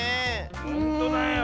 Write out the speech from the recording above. ほんとだよ。